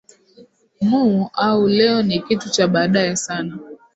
muuu au leo ni kitu cha baadaye sana